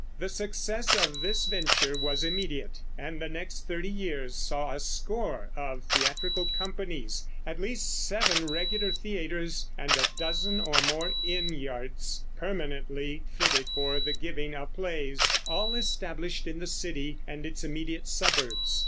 The success of this venture was immediate, and the next thirty years saw a score of theatrical companies, at least seven regular theaters, and a dozen or more inn yards permanently fitted for the giving of plays, all established in the city and its immediate suburbs.